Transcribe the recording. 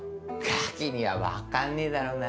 ガキには分かんねえだろうな。